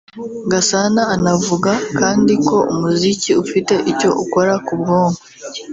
Gasana anavuga kandi ko umuziki ufite icyo ukora ku bwonko